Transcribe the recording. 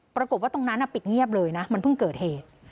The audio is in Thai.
ปรากฏว่าตรงนั้นปิดเงียบเลยนะมันเพิ่งเกิดเหตุ